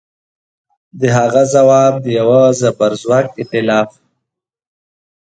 د هغه ځواب د یوه زبرځواک ایتلاف